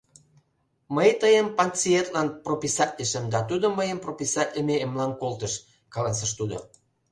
— Мый тыйым пациентлан прописатлышым да тудо мыйым прописатлыме эмлан колтыш, — каласыш тудо.